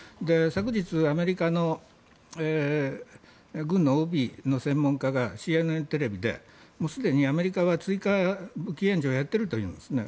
昨日、アメリカの軍のＯＢの専門家がＣＮＮテレビですでにアメリカは追加武器援助をやっているというんです。